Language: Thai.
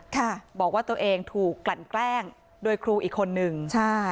ค่ะบอกว่าตัวเองถูกกลั่นแกล้งโดยครูอีกคนนึงใช่